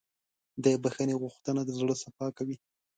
د بښنې غوښتنه د زړه صفا کوي.